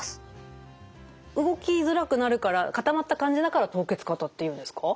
動きづらくなるから固まった感じだから凍結肩っていうんですか？